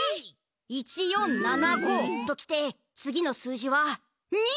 １４７５ときて次の数字は２！